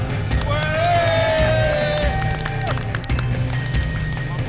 terima kasih pak